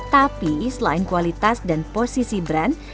tapi selain kualitas dan posisi brand